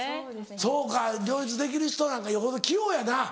そうか両立できる人なんかよほど器用やな。